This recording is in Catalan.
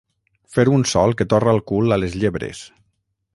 Fer un sol que torra el cul a les llebres.